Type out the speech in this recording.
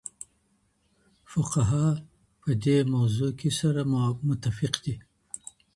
فقهاء په دې موضوع کي سره متفق دي؟